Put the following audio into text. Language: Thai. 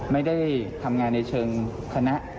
ไม่ได้ทำงานในเชิงคณะ